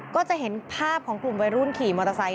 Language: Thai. ก็จะเห็นภาพของกลุ่มวัยรุ่นขี่มอเตอร์ไซค